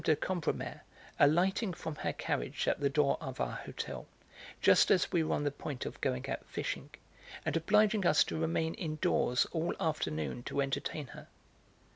de Cambremer, alighting from her carriage at the door of our hotel just as we were on the point of going out fishing, and obliging us to remain indoors all afternoon to entertain her.